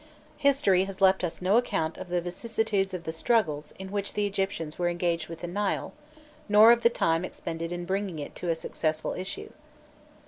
History has left us no account of the vicissitudes of the struggle in which the Egyptians were engaged with the Nile, nor of the time expended in bringing it to a successful issue.